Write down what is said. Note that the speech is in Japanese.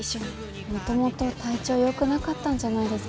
もともと体調よくなかったんじゃないですか。